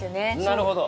なるほど。